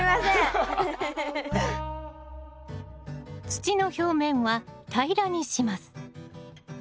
土の表面は平らにします。